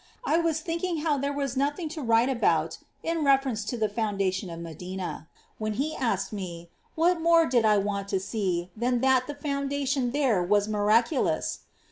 I was thinking how there was nothing to write about in reference to the foundation of Medina, when He asked me, what more did I want to see than that the foundation there was miraculous